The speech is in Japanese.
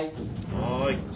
はい。